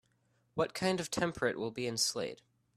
What kind of temperate will be in Slade?